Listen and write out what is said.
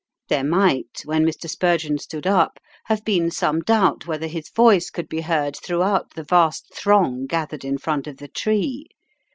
There might, when Mr. Spurgeon stood up, have been some doubt whether his voice could be heard throughout the vast throng gathered in front of the tree.